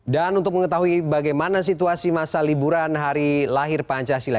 dan untuk mengetahui bagaimana situasi masa liburan hari lahir pancasila